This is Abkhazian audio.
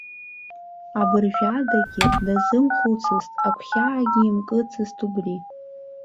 Абыржәадагьы дазымхәыццызт, агәхьаагьы имкыцызт убри.